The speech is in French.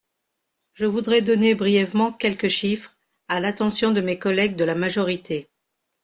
Je voudrais donner brièvement quelques chiffres, à l’attention de mes collègues de la majorité.